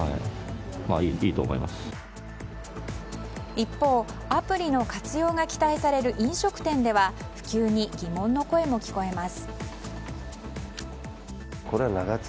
一方、アプリの活用が期待される飲食店では普及に疑問の声も聞こえます。